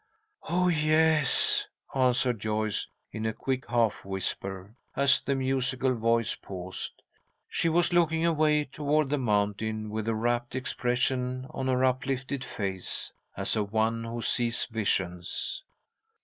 "Oh, yes," answered Joyce, in a quick half whisper, as the musical voice paused. She was looking away toward the mountain with a rapt expression on her uplifted face, as of one who sees visions.